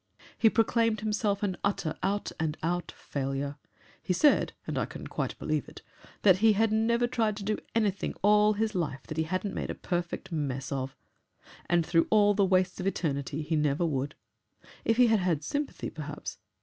He proclaimed himself an utter out and out failure. He said, and I can quite believe it, that he had never tried to do anything all his life that he hadn't made a perfect mess of and through all the wastes of eternity he never would. If he had had sympathy, perhaps